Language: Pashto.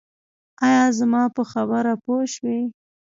ایا زما په خبره پوه شوئ؟